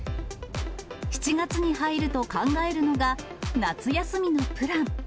７月に入ると考えるのが、夏休みのプラン。